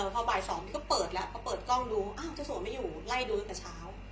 พอบ่ายสองไม่อยวก็เปิดกล้องดูจะสวนไม่อยู่ไล่ดูตั้งแต่เช้า